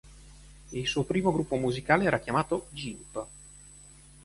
Il suo primo gruppo musicale era chiamato Gimp.